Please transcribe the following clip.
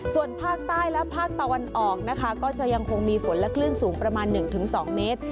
ส่วนภาคใต้และภาคตะวันออกนะคะก็จะยังคงมีฝนและคลื่นสูงประมาณ๑๒เมตร